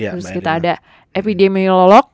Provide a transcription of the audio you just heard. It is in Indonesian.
terus kita ada epidemiolog